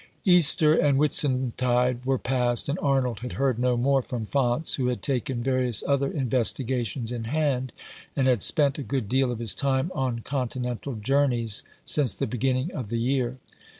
Easter and Whitsuntide were past, and Arnold had heard no more from Faunce, who had taken various other investigations in hand, and had spent a good deal of his time on Continental journeys, since the beginning of the year.